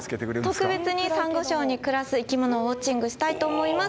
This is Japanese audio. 今日は特別にサンゴ礁に暮らす生き物をウォッチングしたいと思います。